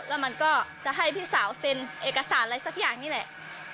แล้วมันก็จะให้พี่สาวเซ็นเอกสารอะไรสักอย่างนี้แหละ